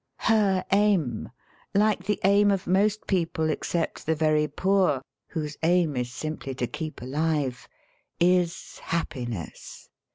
Her aim, like the aim of most people except the very poor (whose aim is simply to keep alive), is happiness.